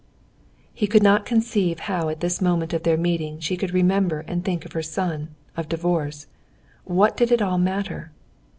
He could not conceive how at this moment of their meeting she could remember and think of her son, of divorce. What did it all matter?